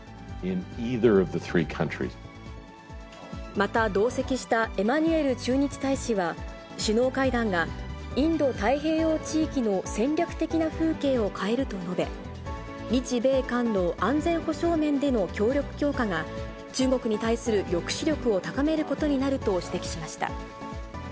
また同席したエマニュエル駐日大使は、首脳会談が、インド太平洋地域の戦略的な風景を変えると述べ、日米韓の安全保障面での協力強化が、中国に対する抑止力を高めることになると指摘しました。